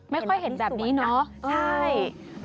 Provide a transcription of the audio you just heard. ไม่ค่อยเห็นแบบนี้เนาะใช่